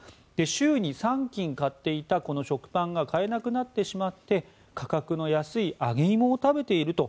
週に３斤買っていた食パンが買えなくなってしまって価格の安い揚げイモを食べていると。